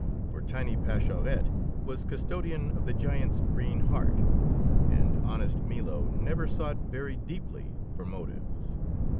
For tiny Pascherette was custodian of the giant's green heart; and honest Milo never sought very deeply for motives.